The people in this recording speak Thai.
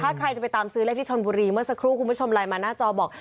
ถ้าใครจะไปตามซื้อเลขที่ชนบุรีเมื่อสักครู่คุณผู้ชมไลน์มาหน้าจอบอก